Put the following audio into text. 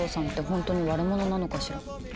本当に悪者なのかしら？